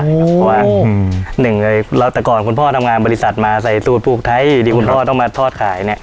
เพราะว่าหนึ่งเลยแล้วแต่ก่อนคุณพ่อทำงานบริษัทมาใส่สูตรผูกไทยที่คุณพ่อต้องมาทอดขายเนี่ย